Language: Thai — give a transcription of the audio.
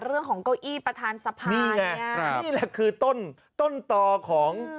เรื่องของเก้าอี้ประธานสภาเนี่ยนี่แหละนี่แหละคือต้นต้นต่อของ